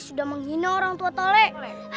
sudah menghina orang tua tole